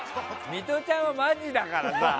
ミトちゃんはマジだからさ。